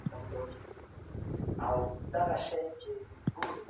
هغه معاصر بحث ته نږدې دی.